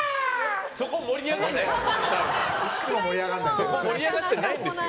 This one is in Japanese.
そこ盛り上がらないですよ澤部さん。